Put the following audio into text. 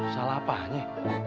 salah apa nyi